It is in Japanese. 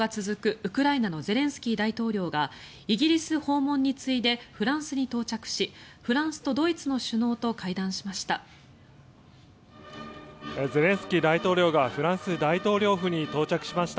ウクライナのゼレンスキー大統領がイギリス訪問に次いでフランスに到着しフランスとドイツの首脳と会談しました。